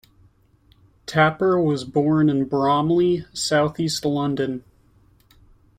Tapper was born in Bromley, South East London.